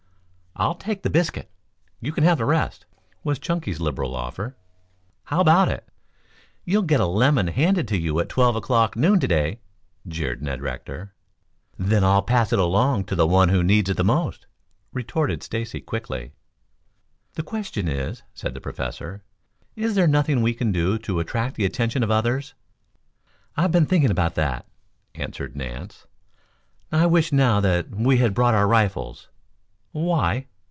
"I'll take the biscuit. You can have the rest," was Chunky's liberal offer. "How about it?" "You will get a lemon handed to you at twelve o'clock noon to day," jeered Ned Rector. "Then I'll pass it along to the one who needs it the most," retorted Stacy quickly. "The question is," said the Professor, "is there nothing that we can do to attract the attention of others?" "I have been thinking of that," answered Nance. "I wish now that we had brought our rifles." "Why?"